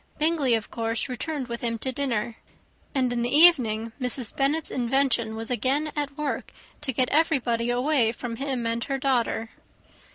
Bingley of course returned with him to dinner; and in the evening Mrs. Bennet's invention was again at work to get everybody away from him and her daughter.